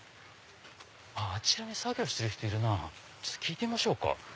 あちらに作業してる人いるなぁちょっと聞いてみましょうか。